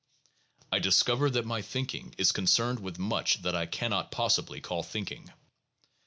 I discover that my thinking is concerned with much that I cannot possibly call thinking.